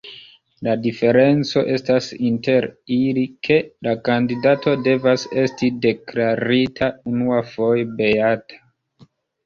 La diferenco estas inter ili, ke la kandidato devas esti deklarita unuafoje beata.